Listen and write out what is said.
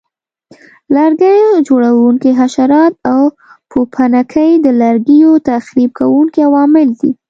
لرګي خوړونکي حشرات او پوپنکي د لرګیو تخریب کوونکي عوامل دي.